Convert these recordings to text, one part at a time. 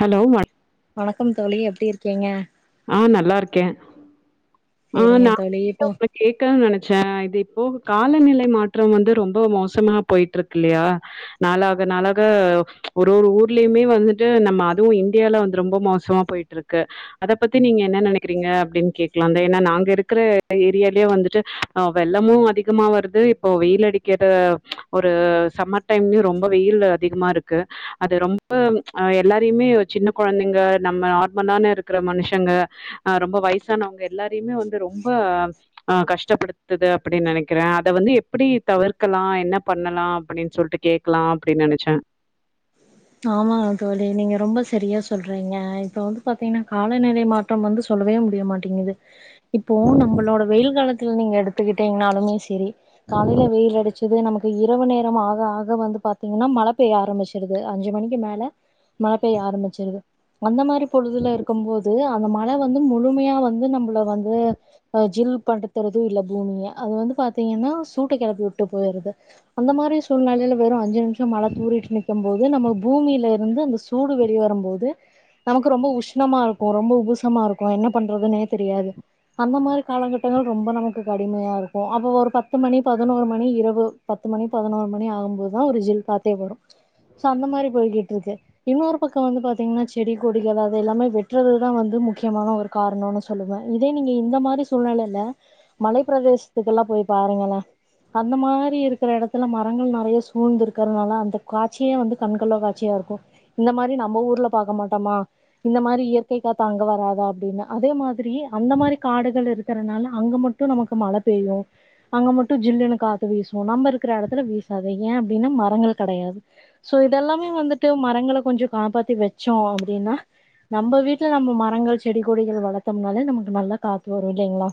Hello வணக்கம் தோழி எப்படி இருக்கீங்க ஆ நல்லா இருக்கே ஆ சேரிங்க நா தோழி இப்போ கேக்கணு நினைச்சே இது இப்போ காலநிலை மாற்றோ வந்து ரொம்ப மோசமா போயிட்டு இருக்கு இல்லையா நாளாக நாளாக ஒரு ஒரு ஊர்லையுமே வந்துட்டு நம்ம அதுவு இந்தியால வந்து ரொம்ப மோசமா போயிட்டு இருக்கு ருக்க அத பத்தி நீங்க என்ன நினைக்கிறீங்க அப்டின்னு கேக்கலாம்ந்த ஏன்னா நாங்க இருக்கிற ஏரியாலயே வந்துட்டு வெள்ளமு அதிகமா வருது இப்போ வெயில் அடிக்கிற ஒரு சமர் டைம்லயும் ரொம்ப வெயில் அதிகமா இருக்கு அது ரொம்ப எல்லாரையுமே சின்ன குழந்தைங்க நம்ம நார்மலா தானே இருக்கு இருக்குற மனுஷங்க அ ரொம்ப வயசானவங்க எல்லாரையுமே வந்து ரொம்ப அ கஷ்டப்படுத்து அப்படின்னு நினைக்கிறேன் அத வந்து எப்படி தவிர்க்கலா என்ன பண்ணலா அப்படின்னு சொல்லிட்டு கே இருக்கலா அப்டினு நினைச்சே ஆமா தோழி நீங்க ரொம்ப சரியா சொல்றீங்க இப்ப வந்து பாத்தீங்கன்னா காலநிலை மா ற்றம் வந்து சொல்லவே முடியமாட்டேங்குது இப்போ நம்பளோட வெயில் காலத்துல நீங்க எடுத்துக்கிட்டீங்களானாலுமே செரி காலையில வெயில் அடிச்சது நமக்கு இரவு நேரம் ஆக ஆக வந்து பாத்தீங்கன்னா மழை பெய்ய ஆரம்பிச்சிருது அஞ்சு மணிக்கு மேல மழை பெய்ய ஆரம்பிச்சிருது அந்த மாரி பொழுதுல இருக்குபோது அந்த மழை வந்து முழுமையா வந்து நம்மள வந்து அ ஜில் போட்ட பெறகு இல்ல பூமியை அது வந்து பாத்தீங்கன்னா சூட்ட கெளப்பி விட்டு போருது அந்த மாரி சூழ்நெலையில வெறு அஞ்சு நிமிஷோ மழ தூரிட்டு நிக் கும்போது நம்ம பூமியிலருந்து அந்த சூடு வெளி வரும் போது நமக்கு ரொம்ப உஷ்ணமாருக்கு ரொம்ப உபுசமாருக்கு என்ன பண்றதுனே தெரியாது அந்த மாரி காலகட்டங்கள் ரொம்ப நமக்கு கடுமையாருக்கு அப்போ ஒரு பத்து மணி பதினோரு மணி இரவு பத்து மணி பதினோரு மணி ஆகும்போதுதா ஒரு ஜில் காத்தே வரு சோ அந்த மாரி போய்கிட்டுருக்கு இன்னொரு பக்கோ வந்து பாத்தீங்கன்னா செடி கொடிகள் அது எல்லாமே வெட்டுறதுதா வந்து முக்கியமான ஒரு காரணோன்னு சொல்லுவே இதே நீங்க இந்த மாரி சூழ்நெலையில மலைப் பிரதேசத்துக்கெல்லா போய் பாருங்களே அந்த மாரி இருக்கற எடத்துல மரங்கள் நறைய சூழ்ந்து இருக்கறதுனால அந்த காற் றே வந்து கண்கோலா காட்சியாருக்கு இந்த மாரி நம்ம ஊர்ல பாக்க மாட்டோமா இந்த மாரி இயற்கை காத்து அங்க வராதா அப்டின்னு அதே மாதிரி அந்த மாதிரி காடுகள் இருக்கறனால அங்க மட் ட்டு நமக்கு மழ பெய்யு அங்க மட்டு ஜில்லுனு காத்து வீசுவோ நம்மருக்குற எடத்துல வீசாது ஏ அப்டின்னா மரங்கள் கடையாது சோ இதெல்லாமே வந்துட்டு மரங்களை கொஞ்சோ காப்பாத்தி வச்சோ அப்படின்னா நம்ம வீட்ல நம்ம மரங்கள் செடி கொடிகள் வளர்த்தோம்னாலே நமக்கு நல்லா காத்து வரு இல்லைங்களா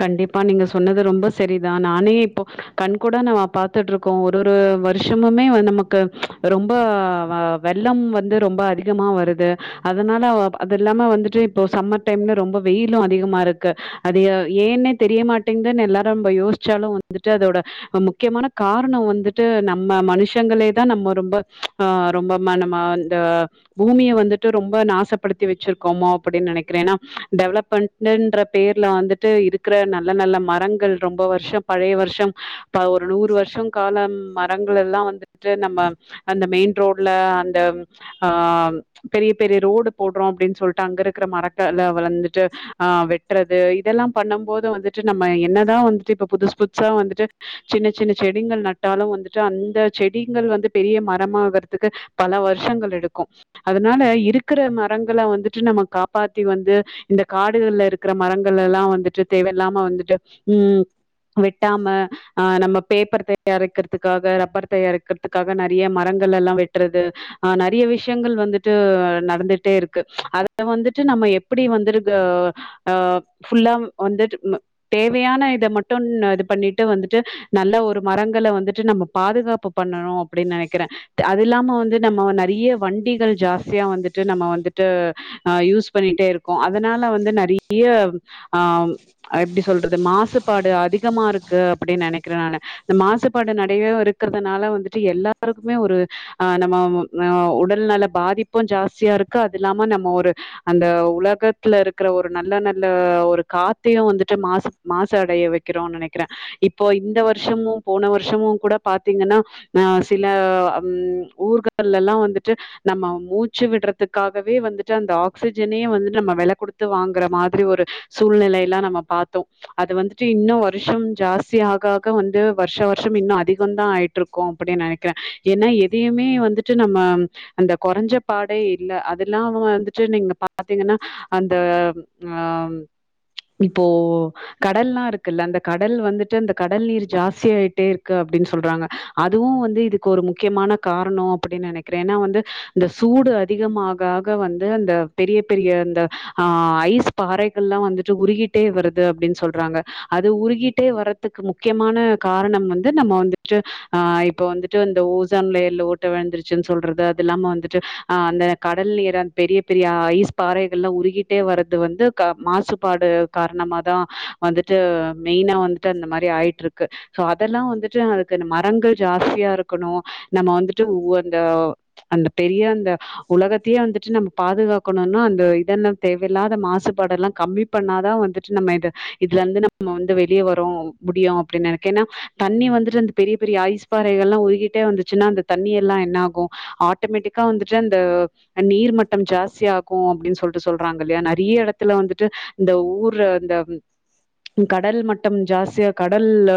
கண்டிப்பா நீங்க சொன்னது ரொம்ப செரிதா நானே இப்போ கண் கூட நா பாத்துட்டு கோ ஒரு ஒரு வருஷமுமே நமக்கு ரொம்ப வ வெள்ளம் வந்து ரொம்ப அதி கமா வருது அதனாலே அது இல்லாம வந்துட்டு இப்போ சம்மர் டைம்ல ரொம்ப வெயிலு அதிகமாருக்கு அதி ஏன்னே தெரியமாட்டேங்கிது எல்லாரு நம்ப யோசிச்சாலு வந்துட்டு அதோட முக்கியமான காரணோ வந்துட்டு நம்ம மனுஷங்களே தா நம்ப ரொம்ப ஆ ரொம்ப மன மா ஆ பூமிய வந்துட்டு ரொம்ப நாசப்படுத்தி வச்சிருக்கோமோ அப்டின்னு நெனைக்கிறேன்னா டெவலப் பண் ன்ற பேர்ல வந்துட்டு இருக்கற நல்ல நல்ல மரங்கள் ரொம்ப வருஷோ பழைய வருஷோ இப்ப ஒரு நூறு வருஷோ கால்ல மரங்கள் எல்லா வந்துட்டு நம்ப அந்த மெயின் ரோட்ல அந்த ஆ பெரிய பெரிய ரோடு போட்றோ அப்டின்னு சொல்ட்டு அங்கருக்குற மரத்தல வந்துட்டு ஆ வெட்டுறது இதெல்லா பண்ணும் போது வந்துட்டு நம்ம என்னதா வந்துட்டு இப்ப புதுசு புதுசா வந்துட்டு சின்ன சின்ன செடிங்கள் நட்டாலு வந்துட்டு அந்த செடிங்கள் வந்து பெரிய மரமாகுறதுக்கு பல வருஷங்கள் எடுக்கு அதனால இருக்குற மரங்கள வந்துட்டு நம்ம காப்பாத்தி வந்து இந்த காடுகள்ல இருக்கற மரங்கள்லெல்லா வந்துட்டு தேவல்லாம வந்துட்டு வெட்டாம ஆ நம்ம பேப்பர் தயாரிக்கிறதுக்காக ரப்பர் தயாரிக்கி றதுக்காக நறைய மரங்களெல்லா வெட்டுறது ஆ நறைய விஷயங்கள் வந்துட்டு நடந்துட்டேருக்கு அத வந்துட்டு நம்ம எப்டி வந்துருக்கு அ ஃபுல்லா வந்துட்டு ம தேவையான இத மட்டும் இது பண்ணிட்டு வந்துட்டு நல்ல ஒரு மரங்கள வந்துட்டு நம்ம பாதுகாப் பண்ணணோ அப்டின்னு நெனைக்கிறே அ இல்லாம வந்து நம்ம நறைய வண்டிகள் ஜாஸ்தியா வந்துட்டு நம்ம வந்துட்டு அ யூஸ் பண்ணிட்டே இருக்கோ அதனால வந்து நறைய ஆ எப்டி சொல்றது மாசுபாடு அதிகமாருக்கு அப்டின்னு நெனைக்கிறே நானு அ மாசுபாடு நறையா இருக்கறதுனால வந்துட்டு எல்லாருக்குமே ஒரு ஆ நம்ம ஆ உடல் நல பாதிப்பு ஜாஸ்தியாருக்கு அதுல்லாம நம்ம ஒரு அந்த உலகத்துலருக்குற ஒரு நல்ல நல்ல ஒரு காத்தையு வந்துட்டு மாஸ் மாசடைய வைக்கிறோ நெனைக்கிற இப்போ இந்த வருஷமு போன வருஷமு கூட பாத்தீங்கன்னா ஆ சில அம் ஊர்கள்ல்லா வந்துட்டு நம்ம மூச்சு விடுறதுக்காகவே வந்துட்டு அந்த ஆக்சிஜனே வந்துட்டு நம்ம வெல குடுத்து வாங்குற மாதிரி ஒரு சூழ்நிலை எல்லா நம்ம பாத்தோ அது வந்துட்டு இன்னு வருஷம் ஜாஸ்தி ஆக ஆக வந்து வர்ஷ வர்ஷ இன்னு அதிக தா ஆயிட்ருக் கு அப்டின்னு நெனக்கிற ஏன்னா எதையுமே வந்துட்டு நம்ம அந்த கொறஞ்ச பாடே இல்ல அதெல்லா வந்துட்டு நீங்க பாத்தீங்கன்னா அந்த ஆ ம் இப்போ கடல்லா இருக்குல்ல அந்த கடல் வந்துட்டு அந்த கடல் நீர் ஜாஸ்தி ஆயிட்டேருக்கு அப்டின்னு சொல்றாங்க அதுவு வந்து இதுக்கு ஒரு முக்கியமான காரணோ அப்டின்னு நெனைக்கிறே ஏன்னா வந்து இந்த சூடு அதிகம் ஆக ஆக வந்து அந்த பெரிய பெரிய அந்த ஆ ஐஸ் பாறைகள்லா வந்துட் டு உருகிட்டே வருது அப்டின்னு சொல்றாங்க அது உருகிட்டே வரதுக்கு முக்கியமான காரணம் வந்து நம்ம வந்துட்டு ஆ இப்ப வந்துட் டு ந்த ஓசாம் லேயர்ல ஓட்ட வேந்துருச்சுன்னு சொல்றது அது இல்லாம வந்துட்டு அ அந்த கடல் நீர பெரிய பெரிய ஐஸ் பாறைகள்லா உருகிட்டே வரது வந்து கா மாசு ப்பாடு காரணமாதா வந்துட்டு மெய்னா வந்துட்டு அந்த மாரி ஆயிட்டு இருக்கு சோ அதெல்லா வந்துட்டு அதுக்கு மரங்கள் ஜாஸ்தியா இருக்கணு நம்ம வந்துட்டு ஒ அந்த அந்த பெரிய அந்த உலகத்தையே வந்துட்டு நம்ம பாதுகாக்கணுன்னா அந்த இதன்ன தேவயில்லாத மாசுபாட எல்லா கம்மிப் பண்ணாதா வந்துட்டு நம்ம இது இதுல இருந்து நம்ம வந்து வெளியே வரோ முடியு அப்டின் நெனைக்கேன்னா தண்ணி வந்துட்டு அந்த பெரிய பெரிய ஐஸ் பாறைகள் எல்லா உருகிட்டே வந்துச்சுன்னா அந்த தண்ணி எல்லா என்ன ஆகு ஆட்டேமேட்டிக்கா வந்துட்டு அந்த அ நீர்மட்டம் ஜாஸ்தியாகு அப்டின்னு சொல்ட்டு சொல்றாங்கில்லையா நற்ய எடத்துல வந்துட்டு இந்த ஊர்ல அந்த கடல் மட்டம் ஜாஸ்தியா கடல்ல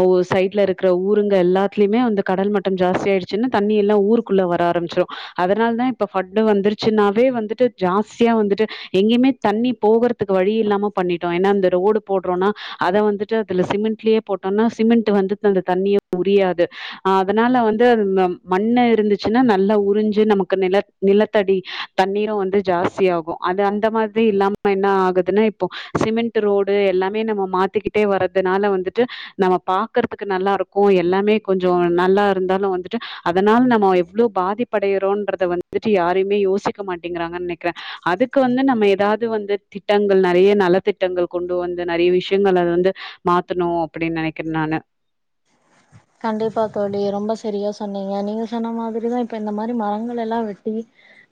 ஒவ்வொர் சைட்ல இருக்கிற ஊருங்க எல்லாத்துலயுமே அந்தப் கடல் மட்டம் ஜாஸ்தியாயிடுச்சுன்னு தண்ணியெல்லா ஊர்க்குள்ள வர ஆரமிச்சிரு அதனால தா இப்ப ஃப்ண்ட் வந்துருக்கு சின்னாவே வந்துட்டு ஜாஸ்தியா வந்துட்டு எங்கேயுமே தண்ணி போவறத் துக்கு வழி இல்லாம பண்ணிட்டோ ஏன்னா அந்த ரோடு போட்றோன்னா அத வந்துட்டு அதுல சிமெண்ட்லயே போட்டோன்னா சிமெண்ட் வந்துட்டு அந்த தண்ணிய உரியாது அதனால வந்து அந்த மண்ணு இருந்துச்சுன்னா நல்லா உறிஞ்சு நமக்கு நிலத் நிலத்தடி தண்ணீரு வந்து ஜாஸ்தி ஆகு அது அந்த மாதிரி இல்லாம என்ன பதின்னா இப்போ சிமெண்ட்டு ரோடு எல்லாமே நம்ம மாட்டிக்கிட்டே வறதுனால வந்துட்டு நம்ம பாக்கறதுக்கு நல்லாருக்கு எல்லாமே கொஞ்சோ நல்லா இருந்தாலு வந்துட்டு அதனால நம்ம எவ்ளோ பாதிப்படையறோன்றத வந்துட்டு யாருமே யோசிக்க மாட்டேங்கிறாங்கன்னு நெக்ற அதுக்கு வந்து நம்ம எதாவது வந்து திட்டங்கள் நறைய நலத்திட்டங்கள் கொண்டு வந்து நறைய விஷயங்கள் அது வந்து மாத்தணு அப்டின்னு நெனைக்கறனால கண்டிப்பா தோழி ரொம்ப செரியா சொன்னீங்க நீங்க சொன்ன மாதிரிதா இப்ப இந்த மாரி மரங்களெல்லா வெட்டி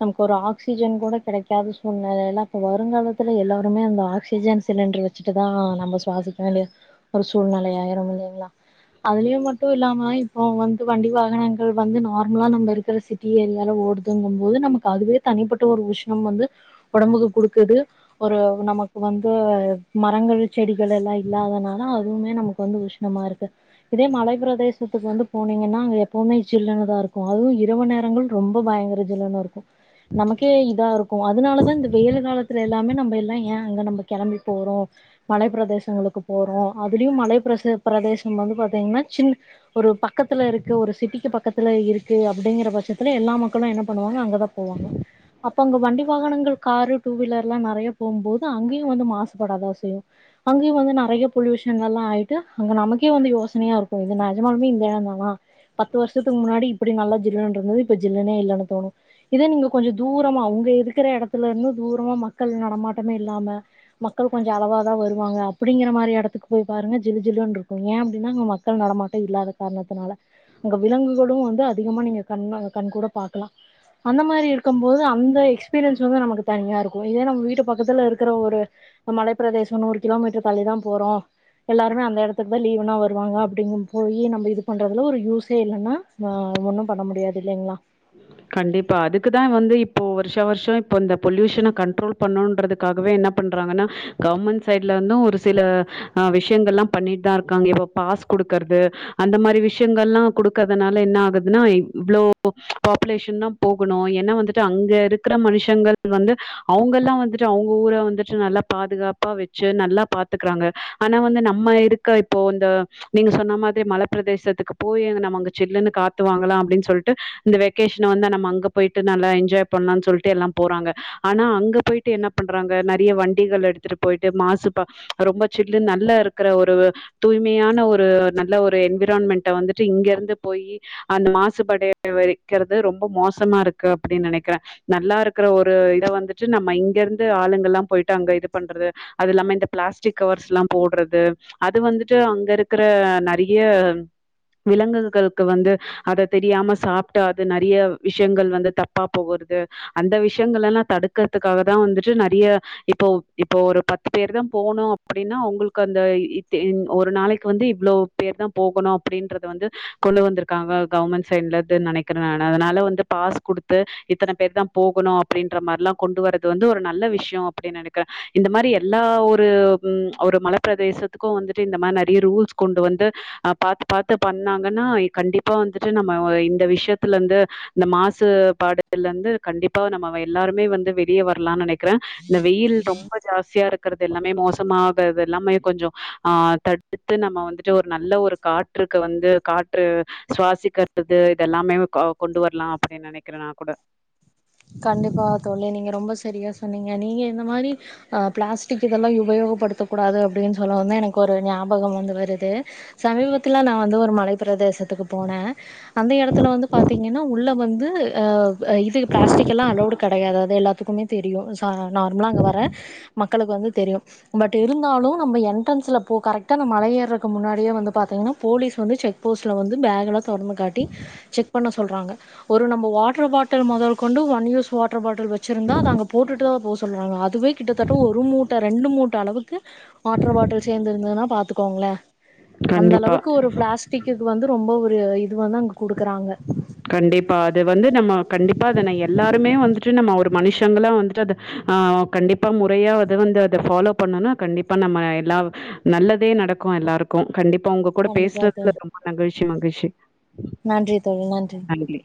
நமக்கு ஒரு ஆக்சிஜன் கூட கெடைக்காத சூழ்நிலையில அப்ப வருங்காலத்துல எல்லோருமே அந்த ஆக்சிஜன் சிலிண்டர் வ ச்சுட்டுதா நம்ப சுவாசிக்க வேண்டிய ஒரு சூழ்நெலையாயிரு இல்லைங்களா அதுலயு மட்டு இல்லாம இப்போ வந்து வண்டி வாகனங்கள் வந்து நார்மலா நம்ப இருக்கிற சிட் டி ஏரியால ஓடுதுங்கும்மோது நமக்கு அதுவே தனிப்பட்ட ஒரு உஷ்ணம் வந்து ஒடம்புக்கு குடுக்குது ஒரு நமக்கு வந்து மரங்கள் செடிகள் எல்லா இல்லாதனால அதுவுமே நமக்கு வந்து உஷ்ணமா இருக்கு இதே மலை பிரதேசத்துக்கு வந்து போனீங்கன்னா அங்க எப்பவுமே ஜில்ன்னுதா இருக்கு அதுவு இரவு நேரங்கள் ரொம்ப பயங்கர ஜிலோன்னு இருக்கு நமக்கே இதாருக்கு அதனாலதா இந்த வெயில் காலத்துல எல்லாமே நம்ப எல்லா ஏயா அங்க நம்ப கெளம்பி போறோ மலை பிரதேசங்களுக்கு போறோ அதுலயு மலை பிரச பிரதேசம் வந்து பாத்தீங்கன்னா சின் ஒரு பக்கத்துல இருக்கு ஒரு சிட்டிக்கு பக்கத்துல இருக்கு அப்டிங்கிற பட்சத்துல எல்லா மக்களு என்ன பண்ணுவாங்க அங்கதா போவனோ அப்ப அங்க வண்டி வாகனங்கள் காரு டூ வீலர்லா நறைய போம்போது அங்கேயும் வந்து மாசுபடாத அவசியோ அங்கேயு வந்து நறைய பொல்யூஷன் எல்லா ஆயிட்டு அங்க நமக்கே வந்து யோச செம்மையா இருக்கு இது நெஜமாலுமே இந்த எடம் தானா பத்து வருஷத்துக்கு முன்னாடி இப்புடி நல்லா ஜில்லுன்னு இருந்தது இப்ப ஜில்லுனே இல்லன்னு தோணு இதே நீங்க கொஞ்ச தூரமா உங்க இருக்கற எடத்துல இருந்து தூரமா மக்கள் நடமாட்டமே இல்லாம மக்கள் கொஞ்சோ அளவா தா வருவாங்க அப்டிங்கிற மாரி எடத்துக்கு போய் பாரு ஜிலு ஜிலுன்டு இருக்கு ஏயா அப்டின்னா அங்க மக்கள் நடமாட்டம் இல்லாத காரணத்தினால அங்க விலங்குகளும் வந்து அதிகமா நீங்க கண் கண் கூட பாக்கலாம் அந்த மாரி இருக்கும் போது அந்த எக்ஸ்பீரியன்ஸ் வந்து நமக்கு தனியா இருக்கு இதே நம்ம வீட்டு பக்கத்துல இருக்கற ஒரு மலைப்ப பிரதேசோ நூறு கிலோமீட்டர் தள்ளிதா போறோ எல்லாருமே அந்த எடத்துக்கு தா லீவுனா வரு வாங்க அப்டிங்கு போயி நம்ம இது பண்றதுல ஒரு யூஸே இல்லன்னா ஒன்னு பண்ண முடியாது இல்லைங்ளா கண்டிப்பா அதுக்குதா வந்து இப்போ வருஷ வருஷே இப்போ இந்த பொல்யூஷன கண்ட்ரோல் பண்ணுன்றதுக்காகவே என்ன பண்றாங்கன்னா கவர்மெண்ட் சைட்ல வந்து ஒரு சில ஆ விஷயங்கள்லா பண்ணிட்டுதா இருக்காங்க இப்ப பாஸ் குடுக்கறது அந்த மாரி விஷயங்கள்லா குடுக்கறதுனால என்ன ஆகுதுன்னா இவ் இவ்ளோ போ பாப்புலேஷன் தா போகணு ஏன்னா வந்துட்டு அங்க இருக்கற மனுஷங்கள் வந்து அவுங்கெல்லா வந்துட்டு அவுங்க ஊர வந்துட்டு நல்லா பாதுகாப்பா வேச்சு நல்லா பாத்துக்கறாங்க ஆனா வந்து நம்ம இருக் க்க இப்போ இந்த நீங்க சொன்னா மாதிரி மலப்ப பிரதேசத்துக்கு போயி நம்ம அங்க சில்லு காத்துவாங்கலா அப்டின்னு சொல் டு இந்த வெகேஷன வந்து நம்ம அங்க போயிட்டு நல்லா என்ஜாய் பண்ணலாம்னு சொல்லிட்டு எல்லா போறாங்க ஆனா அங்க போயிட்டு என்ன பண்றாங்க நறைய வண்டிகள் எடுத்துட்டு போயிட்டு மாசுபா ரொம்ப சில்லு நல்லா இருக் இருக்கற ஒரு தூய்மையான ஒரு நல்ல ஒரு என்விரான்மெண்ட வந்துட்டு இங்கருந்து போயி அந்த மாசுபடைய வெக்கறது ரொம்ப மோசமா இருக்கு அப்டின்னு நேனைக்கிறே நல்லா இருக்கற ஒரு இத வந்துட்டு நம்ம இங்கருந்து ஆளுங்கல்லா போயிட்டு அங்க இது பண்றது அது இல்லாம இந்த பிளாஸ்டிக் கவர்ஸ்லா போட்றது அது வந்துட்டு அங்க இருக்கற நறைய விலங்குகளுக்கு வந்து அத தெரியாம சாப்டா அது நறைய விஷயங்கள் வந்து தப்பா போகுறது அந்த விஷயங்கள் எல்லா தடுக்கறதுக்காக தா வந்துட்டு நிறைய இப்போ இப்போ ஒரு பத்து பேர் தா போனோ அப்டின்னா உங்களுக்கு அந்த இத் ஒரு நாளைக்கு வந்து இவ்ளோ பேர் தா போகணு அப்டின்றத வந்து கொண்டு வந்திருக்காங்க கவர்மெண்ட் சைட்ல து நெனைக்கிறே நானு அதனால வந்து பாஸ் குடுத்து இத்தன பேர் தா போகணு அப்டின்ற மாரிலா கொண்டு வரது வந்து ஒரு நல்ல விஷயோ அப்டின்னு நெனைக்கிறே இந்த மாரி எல்லா ஊரு ம் ஒரு மலப்பிரதேசத்துக்கும் வந்துட்டு இந்த மாரி நறைய ரூல்ஸ் கொண்டு வந்து அ பாத்து பாத்து பண்ணாங்கன்னா கண்டிப்பா வந்துட்டு நம்ம இந்த விஷயத்துல இருந்து இந்த மாசுபாடுல இருந்து கண்டிப்பா நம்ம எல்லாருமே வந்து வெளிய வர்லானு நெனைக் கிறே இந்த வெயில் ரொம்ப ஜாஸ்தியா இருக் கிறது எல்லாமே மோசமாகறது எல்லாமே கொஞ்சோ ஆ தடுத்துட்டு நம்ம வந்துட்டு ஒரு நல்ல ஒரு காற் றுக்கு வந்து காற்று சுவாசிக்கிறதுக்கு இதெல்லாமே கொண்டு வரலா அப்டின்னு நெனைக்கிறே நா கூட கண்டிப்பா தோழி நீங்க ரொம்ப சரியா சொன்னீங்க நீங்க இந்த மாரி அ பிளாஸ்டிக் இதெல்லா உபயோகப்படுத்தக்க கூடாது அப்டின் சொல்லவுந்தா வந்து எனக்கு ஒரு ஞாபகோ வந்து வருது சமீபத்துல நா வந்து ஒரு மலை பிரதேசத்துக்கு போனே அந்த எடத்துல வந்து பாத்தீங்கன்னா உள்ள வந்து அ இது பிளாஸ்டிக்கெல்லா அளோடு கெடையாது அது எல்லாத்துகுமே தெரியு அ நார்மலா அங்க வர மக்களுக்கு வந்து தெரியு பட் இருந்தாலு நம்ம என்ட்ரன்ஸ்ல போ கரெக்ட் டா மலைய ஏர்றதுக்கு முன்னாடியே வந்து பாத்தீங்கன்னா போலீஸ் வந்து செக் போஸ்ட்ல வந்து பேகெலா தொறந்து காட்டி செக் பண்ண சொல்றாங்க ஒரு நம்ம வாட்டர் பாட்டில் மொதல் கொண்டு one use water bottle வெச்சிருந்தா அத அங்க போட்டுட்டு தா போ சொல்றாங்க அதுவே கிட்டத்தட்ட ஒரு மூட்ட ரெண்டு மூட்ட அளவுக்கு வாட்டர் பாட்டில் சேந்து இருந்ததுன்னா பாத்துக்கோங்களே அந்த கண்டிப்பா. அளவுக்கு ஒரு பிளாஸ் டிக்குக்கு வந்து ரொம்போ ஒரு இது வந்து அங்க குடுக்குறாங்க கண்டிப்பா அது வந்து நம்ம கண்டிப்பா அத நா எல்லாருமே வந்துட்டு நம்ம ஒரு மனுஷங்களா வந்துட்டு அத ஆ கண்டிப்பா முறையா அத வந்து அத ஃபாலோ பண்ணுனா கண்டிப்பா நம்ம எல்லா நல்லதே நடக்கு எல்லாருக்கு கண்டிப்பா உங்க கூட கண்டிப்பா தோழி பேசுறதுல ரொம்ப மகிழ்ச்சி மகிழ்ச்சி நன்றி தோழி நன்றி நன்றி